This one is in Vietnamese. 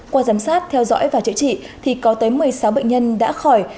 qua giám sát theo dõi và chữa trị thì có tới một mươi sáu bệnh nhân đã khỏi